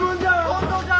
本当じゃ！